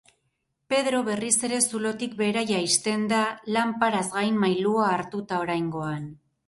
Pedro berriz ere zulotik behera jaisten da, lanparaz gain mailua hartuta oraingoan.